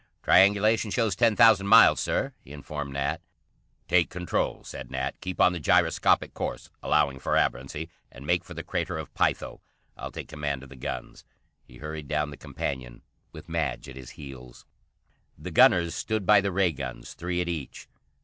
"Triangulation shows ten thousand miles, Sir," he informed Nat. "Take control," said Nat. "Keep on the gyroscopic course, allowing for aberrancy, and make for the Crater of Pytho. I'll take command of the guns." He hurried down the companion, with Madge at his heels. The gunners stood by the ray guns, three at each.